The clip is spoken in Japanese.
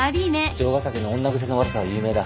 城ヶ崎の女癖の悪さは有名だ。